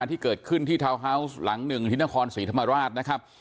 ที่เกิดขึ้นที่ทาวน์ฮาวส์หลังหนึ่งที่นครศรีธรรมราชนะครับ